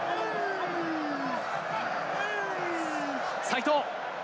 齋藤。